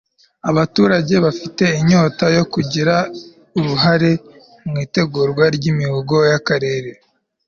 abaturage bafite inyota yo kugira uruhare mu itegurwa ry'imihigo y'akarere